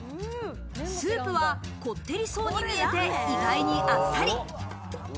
スープはこってりそうに見えて意外にあっさり。